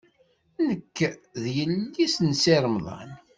Nekk d yelli-s n Si Remḍan.